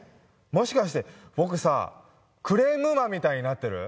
もしかして僕さクレーム魔みたいになってる？